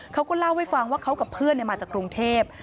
เขาก็เล่าให้ฟังว่าเขากับเพื่อนมาจากกรุงเทพ